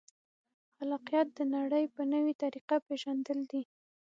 خلاقیت د نړۍ په نوې طریقه پېژندل دي.